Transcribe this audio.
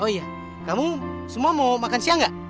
oh iya kamu semua mau makan siang gak